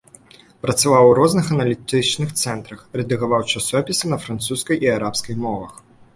Працаваў у розных аналітычных цэнтрах, рэдагаваў часопісы на французскай і арабскай мовах.